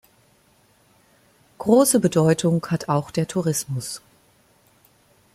Große Bedeutung hat auch der Tourismus.